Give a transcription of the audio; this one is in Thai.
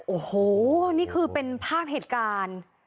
โอ้โหนี่คือเป็นภาพเหตุการณ์